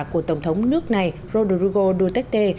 của tổng thống nước này rodrigo duterte